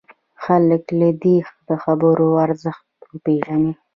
خلک دې د خبرو ارزښت وپېژني.